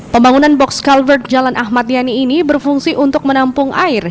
pembangunan box culvert jalan ahmad yani ini berfungsi untuk menampung air